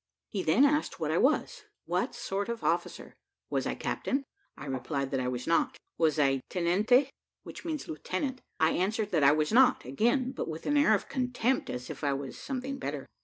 He then asked what I was what sort of officer was I captain? I replied that I was not. Was I 'tenente? which means lieutenant; I answered that I was not, again, but with an air of contempt, as if I was something better.